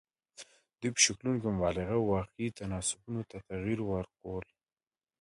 دوی په شکلونو کې مبالغه او واقعي تناسبونو ته تغیر ورکول.